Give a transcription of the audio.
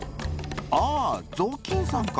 「ああぞうきんさんか。